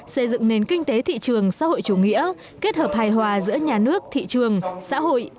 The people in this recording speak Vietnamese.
xây dựng nền kinh tế thị trường xã hội chủ nghĩa kết hợp hài hòa giữa nhà nước thị trường xã hội